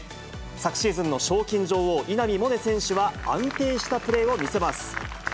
昨シーズンの賞金女王、稲見萌寧選手は安定したプレーを見せます。